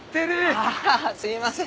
「ああすいません」